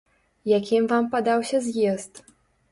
Якім вам падаўся з'езд?